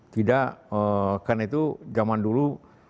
tidak karena itu zaman dulu